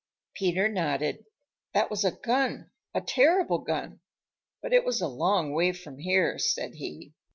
Peter nodded. "That was a gun, a terrible gun, but it was a long way from here," said he.